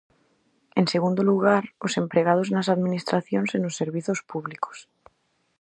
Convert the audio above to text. En segundo lugar, os empregos nas administracións e nos servizos públicos.